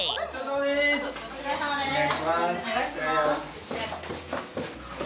お願いします。